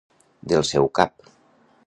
Del seu cap.